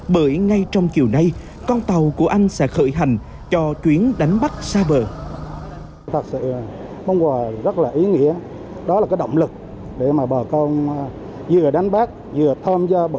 bởi ngay trong chiều nay con tàu của anh sẽ khởi hành cho chuyến đánh bắt xa bờ